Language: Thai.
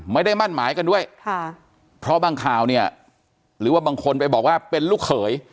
ไม่ได้มั่นหมายกันด้วยค่ะเพราะบางข่าวเนี่ยหรือว่าบางคนไปบอกว่าเป็นลูกเขย